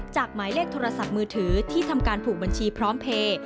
หมายเลขโทรศัพท์มือถือที่ทำการผูกบัญชีพร้อมเพลย์